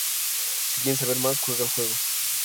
Sí quieres saber más, juega al juego.